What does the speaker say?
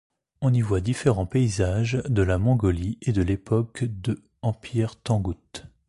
On y voit différents paysage de la Mongolie et de l'époque de Empire tangoute.